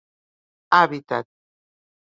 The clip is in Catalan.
Hàbitat: